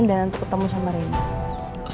dan nanti ketemu sama rina